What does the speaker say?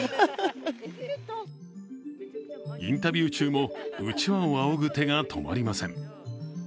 インタビュー中も、うちわをあおぐ手が止まりません。